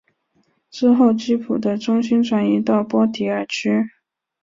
之后基辅的中心转移到波迪尔区。